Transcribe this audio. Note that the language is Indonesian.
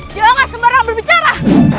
jangan sembarangan berbicara